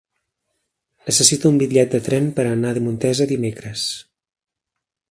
Necessito un bitllet de tren per anar a Montesa dimecres.